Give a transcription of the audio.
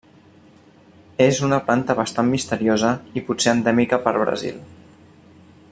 És una planta bastant misteriosa i pot ser endèmica per Brasil.